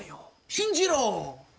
信じろ！」